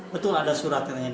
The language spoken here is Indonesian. betul ada suratnya